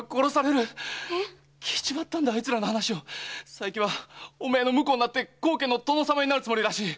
佐伯はお前の婿になって高家の殿様になるつもりらしい。